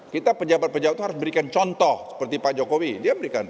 kita pejabat pejabat itu harus berikan contoh seperti pak jokowi dia berikan